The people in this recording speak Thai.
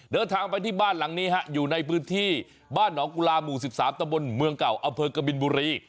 เดินทางไปที่บ้านหลังนี้ฮะอยู่ในพื้นที่บ้านหนองกุลาหมู่๑๓ตะบนเมืองเก่าอำเภอกบินบุรี